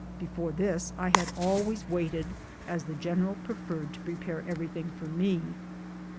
Before this I had always waited, as the general preferred to prepare everything for me.